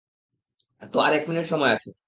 তো, আর এক মিনিট সময় আছে।